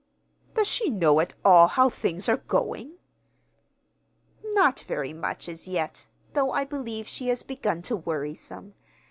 "Does she know at all how things are going?" "Not very much, as yet, though I believe she has begun to worry some.